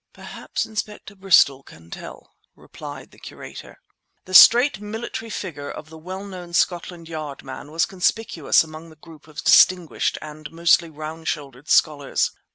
"Perhaps Inspector Bristol can tell," replied the curator. The straight, military figure of the well known Scotland Yard man was conspicuous among the group of distinguished—and mostly round shouldered—scholars.